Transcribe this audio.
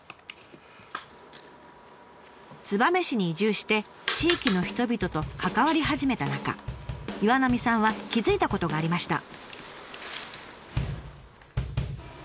燕市に移住して地域の人々と関わり始めた中岩浪さんは気付いたことがありました。